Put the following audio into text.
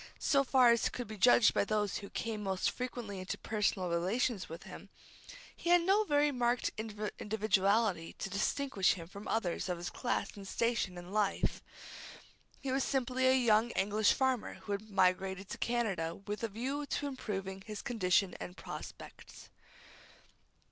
So far as could be judged by those who came most frequently into personal relations with him, he had no very marked individuality to distinguish him from others of his class and station in life. He was simply a young English farmer who had migrated to Canada with a view to improving his condition and prospects.